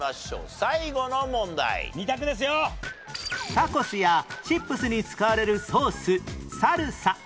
タコスやチップスに使われるソースサルサ